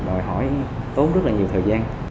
đòi hỏi tốn rất là nhiều thời gian